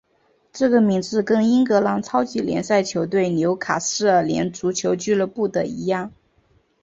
这个名字跟英格兰超级联赛球队纽卡斯尔联足球俱乐部的一样。